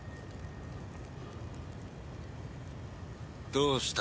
どうした？